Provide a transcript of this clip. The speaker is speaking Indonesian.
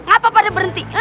ngapapa ada berhenti